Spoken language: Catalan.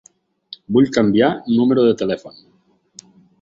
Vull canviar número de telèfon.